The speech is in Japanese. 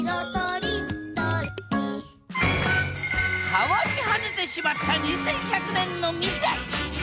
変わり果ててしまった２１００年の未来。